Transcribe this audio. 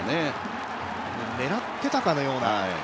狙ってたかのうような。